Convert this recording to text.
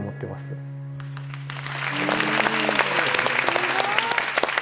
すごい。